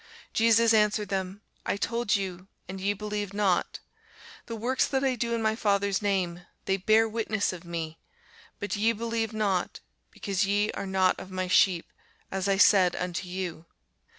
Jesus answered them, I told you, and ye believed not: the works that I do in my Father's name, they bear witness of me. But ye believe not, because ye are not of my sheep, as I said unto you.